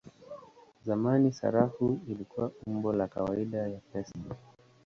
Zamani sarafu ilikuwa umbo la kawaida ya pesa.